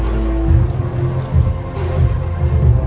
สโลแมคริปราบาล